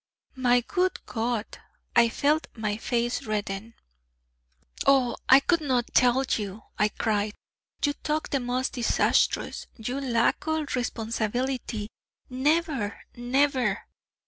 My good God! I felt my face redden. 'Oh, I could not tell you...!' I cried: 'you talk the most disastrous...! you lack all responsibility...! Never, never...!'